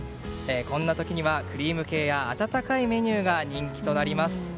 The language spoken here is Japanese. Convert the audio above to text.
こんな時にはクリーム系や温かいメニューが人気となります。